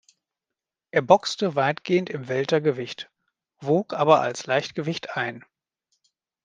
Er boxte weitgehend im Weltergewicht, wog aber als Leichtgewicht ein.